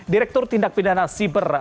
direktur tindak pindana sibera